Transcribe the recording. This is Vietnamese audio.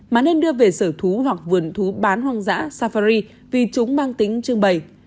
mà nên đưa về sở thú hoặc vườn thú bán hoang dã safari vì chúng mang tính trưng bày